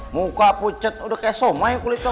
muka pucet udah kayak soma ya kulit kamu